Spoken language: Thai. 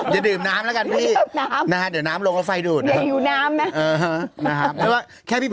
จะดื่มน้ำแล้วกันพี่